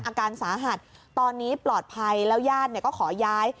อาการสาหัสตอนนี้ปลอดภัยแล้วญาติก็ขอย้าย